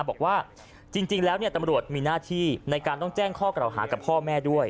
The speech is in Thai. บอกว่าจริงแล้วตำรวจมีหน้าที่ในการต้องแจ้งข้อกล่าวหากับพ่อแม่ด้วย